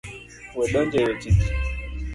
We donjo e weche ji.